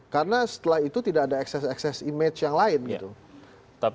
karena setelah itu tidak ada ekses ekses image yang lain gitu